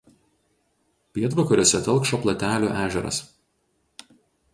Pietvakariuose telkšo Platelių ežeras.